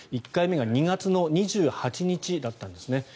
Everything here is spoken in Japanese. １回目が２月２８日だったんですね。